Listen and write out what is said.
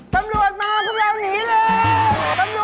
สำรวจมาคุณแล้วหนีเลย